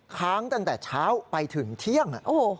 ค้างตั้งแต่เช้าไปถึงเที่ยง